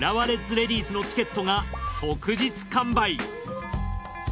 レディースのチケッ即日完売。